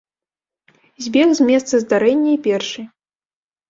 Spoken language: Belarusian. Збег з месца здарэння і першы.